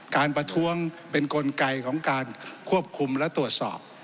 ประท้วงเป็นกลไกของการควบคุมและตรวจสอบ